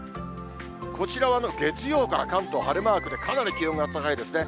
こちらは月曜から関東、晴れマークで、かなり気温が高いですね。